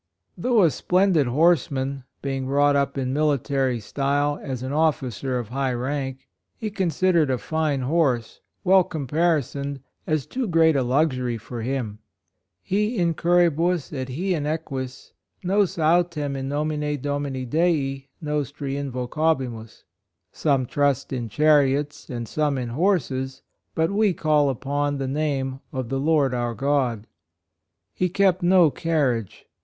HOUGH a splendid horseman — being brought up in military style, as an officer of high rank — he considered a fine horse, well caparisoned, as too great a luxury for him. u Ui in curribus et hi in equis — nos autem in nomine Domini Dei nostri invocabimus" — a Some trust in chariots and some in horses, but we call upon the 11 117 118 HIS MISSION, name of the Lord our God." He kept no carriage.